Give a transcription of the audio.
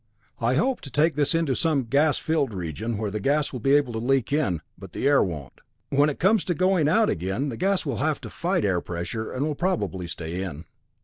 I hope to take this into some gas filled region, where the gas will be able to leak in, but the air won't. When it comes to going out again, the gas will have to fight air pressure, and will probably stay in."